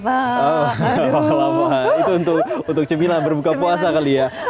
baklava itu untuk cemilan berbuka puasa kali ya